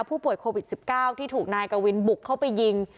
ผู้ป่วยโควิด๑๙ที่ถูกนายกวินบุกเข้าไปยิง